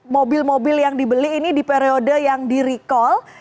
mobil mobil yang dibeli ini di periode yang di recall